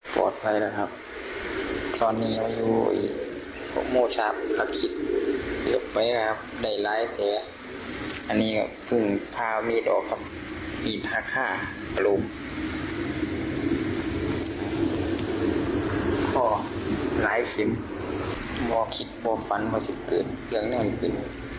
โหว่มปันหมดสิทธิ์เกิดเรียงหน้าเห็นขึ้น